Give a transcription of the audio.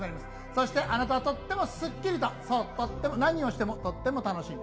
そしてあなたはとってもすっきりと何をしてもとっても楽しい。